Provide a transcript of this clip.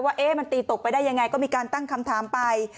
ว่ามันตีตกไปได้ยังไงก็มีการตั้งคำถามไป